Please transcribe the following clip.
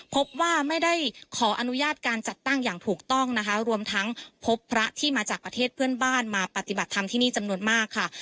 พบว่าไม่ได้ขออนุญาตการจัดตั้งอย่างถูกต้องนะคะรวมทั้งพบพระที่มาจากประเทศเพื่อนบ้านมาปฏิบัติธรรมที่นี่จำนวนมากค่ะ